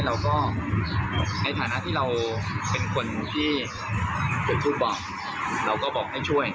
ในฐานะที่เราเป็นคนที่เป็นผู้บอกเราก็บอกให้ช่วย